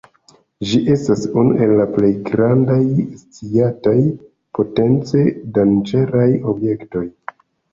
Ĝi estas unu el la plej grandaj sciataj potence danĝeraj objektoj.